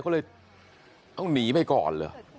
เขาเลยเขาหนีไปก่อน